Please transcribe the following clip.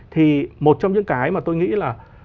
thì một trong những cái mà tôi nghĩ là